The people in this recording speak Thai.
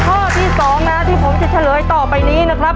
ข้อที่๒นะที่ผมจะเฉลยต่อไปนี้นะครับ